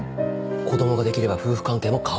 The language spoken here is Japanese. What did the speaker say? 子供ができれば夫婦関係も変わる。